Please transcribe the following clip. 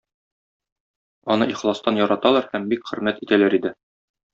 Аны ихластан яраталар һәм бик хөрмәт итәләр иде.